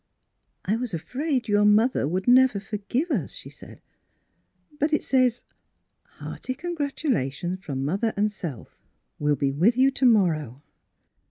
" I was afraid your — your mother would never forgive us," she said, " but it says, ' Hearty congratulations from mother and self. Will be with you to morrow.'